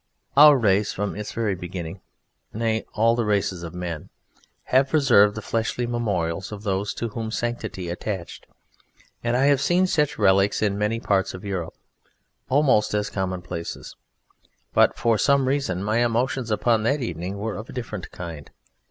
Our race from its very beginning, nay, all the races of men, have preserved the fleshly memorials of those to whom sanctity attached, and I have seen such relics in many parts of Europe almost as commonplaces; but for some reason my emotions upon that evening were of a different kind.